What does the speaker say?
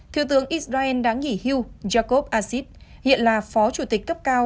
thiếu tướng israel đáng nghỉ hưu jacob aziz hiện là phó chủ tịch cấp cao